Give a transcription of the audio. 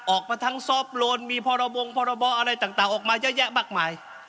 ออกมาเยอะแยะมากมาย